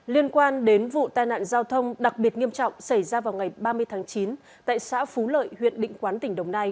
liên quan đến vụ tai nạn giao thông đặc biệt nghiêm trọng xảy ra vào ngày ba mươi tháng chín tại xã phú lợi huyện định quán tỉnh đồng nai